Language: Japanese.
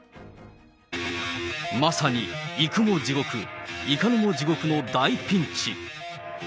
まさに、行くも地獄、行かぬも地獄の大ピンチ。